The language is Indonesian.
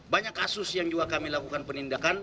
banyak kasus yang juga kami lakukan penindakan